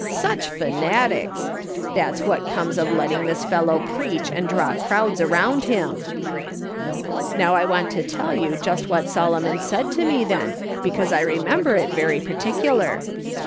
Such fanatics ! That's what comes of letting this fellow preach and draw crowds around him !'" Now I want to tell you just what Solomon said to me then, because I remember it very particular.